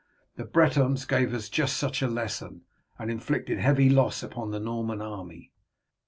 The Bretons gave us just such a lesson, and inflicted heavy loss upon the Norman army."